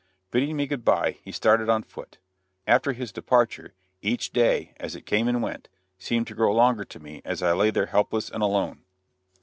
Bidding me good bye he started on foot. After his departure, each day, as it came and went, seemed to grow longer to me as I lay there helpless and alone.